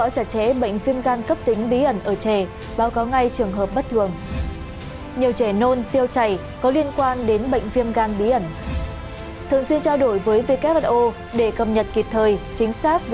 các bạn hãy đăng kí cho kênh lalaschool để không bỏ lỡ những video hấp dẫn